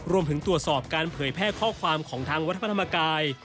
รวมถึงตรวจสอบการเผยแพร่ข้อความของทางวัดพระธรรมกาย